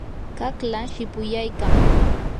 qaqlaa shipuyaykam.